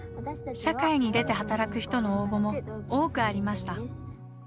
社会に出て働く人の応募も多くありました。